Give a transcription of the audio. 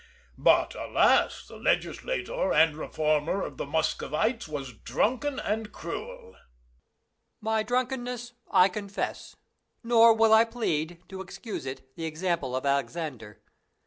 But, alas! the legislator and reformer of the Muscovites was drunken and cruel. Peter. My drunkenness I confess; nor will I plead, to excuse it, the example of Alexander.